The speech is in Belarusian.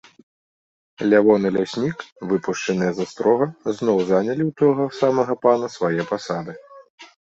Лявон і ляснік, выпушчаныя з астрога, зноў занялі ў таго самага пана свае пасады.